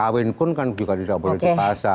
kawin pun kan juga tidak boleh dipasar